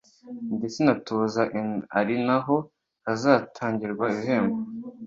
ndetse na Tuuza Inn ari naho hazatangirwa ibihembo